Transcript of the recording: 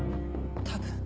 多分。